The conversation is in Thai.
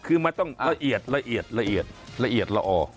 คือมันต้องละเอียดละเอียดละเอียดละเอียดละเอียดละออ